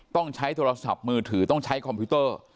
ต้องใช้โทรศัพท์มือถือต้องใช้คอมพิวเตอร์